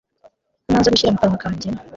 ko nanze gushyira mu kanwa kanjye